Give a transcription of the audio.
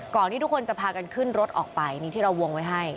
ที่ทุกคนจะพากันขึ้นรถออกไปนี่ที่เราวงไว้ให้